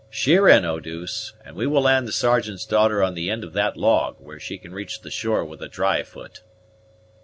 Sheer in, Eau douce, and we will land the Sergeant's daughter on the end of that log, where she can reach the shore with a dry foot."